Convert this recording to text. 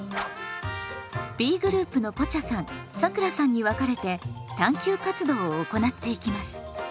Ｂグループのぽちゃさんさくらさんに分かれて探究活動を行っていきます。